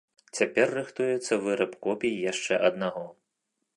Цяпер рыхтуецца выраб копій яшчэ аднаго.